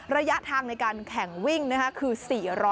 ระยะทางในการแข่งวิ่งคือ๔๐๐